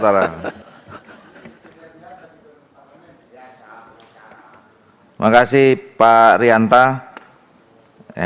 terima kasih pak rianta